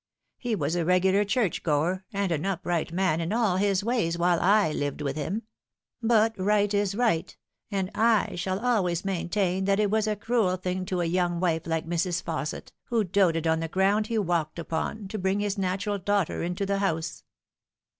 He was a regular church goer, and an upright man in all his ways while / lived with him ; but right is right ; and / shall always maintain that it was a cruel thing to a young wife like Mrs. Fausset, who doted on the ground he walked upon, to bring his natural daughter into the house."